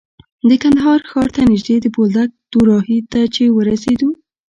د کندهار ښار ته نژدې د بولدک دوراهي ته چې ورسېدو.